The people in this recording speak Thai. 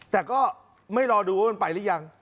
แต่ก็ไม่รอดูว่ามันไปหรือยัง